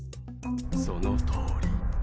そのとおり。